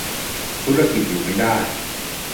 ธุรกิจอยู่ไม่ได้